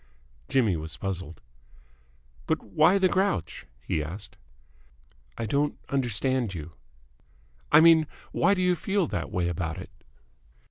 Jimmy was puzzled. "But why the grouch?" he asked. "I don't understand you." "I mean, why do you feel that way about it?"